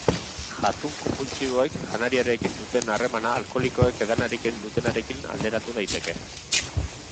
Jatun konpultsiboek janariarekin duten harremana alkoholikoek edanarekin dutenarekin alderatu daiteke.